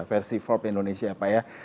versi forbes indonesia ya pak ya